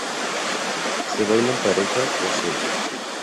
Se baila en pareja o solo.